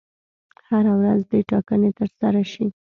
هره ورځ دي ټاکنې ترسره شي.